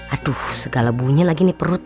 aduh segala bunyi lagi nih perut